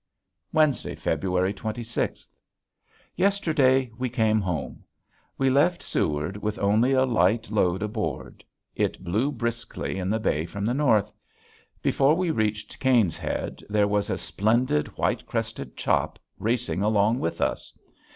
Wednesday, February twenty sixth. Yesterday we came home! We left Seward with only a light load aboard. It blew briskly in the bay from the north. Before we reached Caine's Head there was a splendid, white crested chop racing along with us.